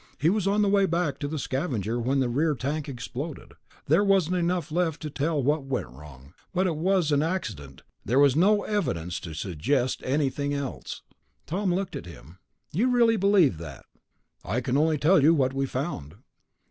He was on the way back to the Scavenger when the rear tank exploded. There wasn't enough left of it to tell what went wrong ... but it was an accident, there was no evidence to suggest anything else." Tom looked at him. "You really believe that?" "I can only tell you what we found."